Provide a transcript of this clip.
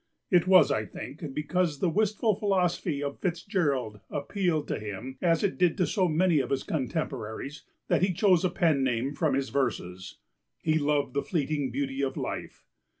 It was, I think, because the wistful philosophy of FitzGerald appealed to him, as it did to so many of his contemporaries, that he chose a pen name from his verses. He loved the fleeting beauty of life.